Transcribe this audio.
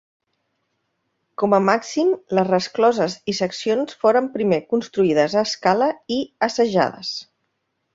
Com a màxim, les rescloses i seccions foren primer construïdes a escala i assajades.